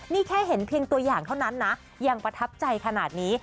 นี่แค่เห็นเพียงตัวอย่างเท่านั้นนะยังประทับใจขนาดนี้